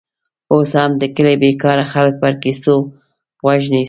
اوس هم د کلي بېکاره خلک پر کیسو غوږ نیسي.